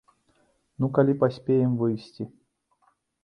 Ну, калі паспеем выйсці.